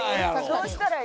どうしたらいい？